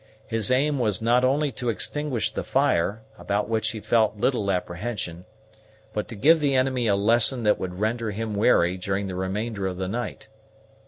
His aim was not only to extinguish the fire, about which he felt little apprehension, but to give the enemy a lesson that would render him wary during the remainder of the night.